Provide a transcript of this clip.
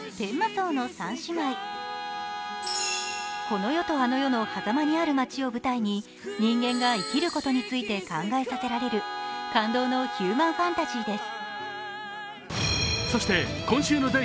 この世とあの世の狭間にある町を舞台に人間が生きることについて考えさせられる感動のヒューマンファンタジーです。